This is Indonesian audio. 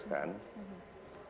dan juga untuk memperbaiki kekuatan